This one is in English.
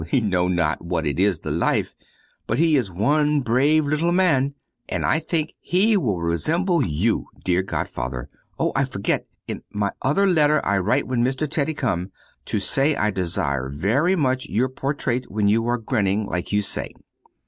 He know not what it is the life, but he is one brave little man, and I think he will resemble to you, dear godfather. Oh, I forget, in my other letter I write when Mr. Teddy come, to say I desire very much your portrait where you are grinning, like you say.